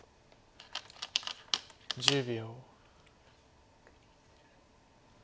１０秒。